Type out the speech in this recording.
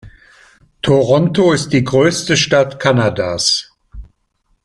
Toronto ist die größte Stadt Kanadas.